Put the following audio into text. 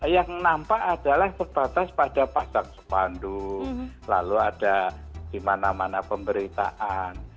yang nampak adalah sebatas pada pasang sepanduk lalu ada di mana mana pemberitaan